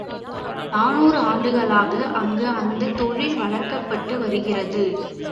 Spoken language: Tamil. நாறு ஆண்டுகளாக அங்கு அந்தத் தொழில் வளர்க்கப்பட்டு வருகிறது.